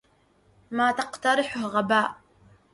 ما تقترحه غباء.